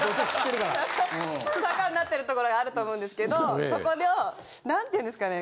坂になってるところがあると思うんですけどそこを何て言うんですかね